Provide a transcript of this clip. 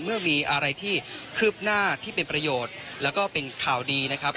เมื่อมีอะไรที่คืบหน้าที่เป็นประโยชน์แล้วก็เป็นข่าวดีนะครับ